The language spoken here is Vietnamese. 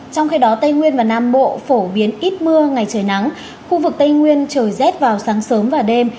trong khi đó tây nguyên và nam bộ phổ biến ít mưa ngày trời nắng khu vực tây nguyên trời rét vào sáng sớm và đêm